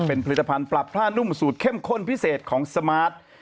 เป็นผลิตภัณฑ์ปรับผ้านุ่มสูตรเข้มข้นพิเศษของสมาร์ท